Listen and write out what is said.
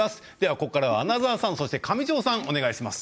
ここからは穴澤さん上條さん、お願いします。